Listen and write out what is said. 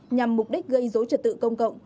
nhằm mục đích gây dối trật tự công cộng